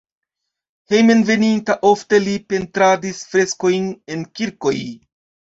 Hejmenveninta ofte li pentradis freskojn en kirkoj.